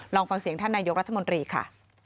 ลองฟังเสียงท่านนายกรัฐมนตรีค่ะ